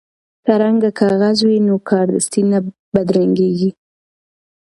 که رنګه کاغذ وي نو کارډستي نه بدرنګیږي.